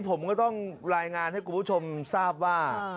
ผมก็ต้องรายงานให้คุณผู้ชมทราบว่า